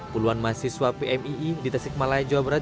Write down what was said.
puluhan mahasiswa pmii di tasikmalaya jawa barat